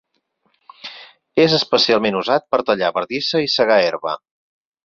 És especialment usat per tallar bardissa i segar herba.